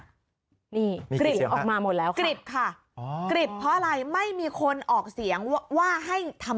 นี่กริบออกมาหมดแล้วไหม